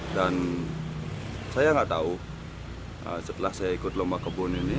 dan saya tidak tahu setelah saya ikut lomba kebun ini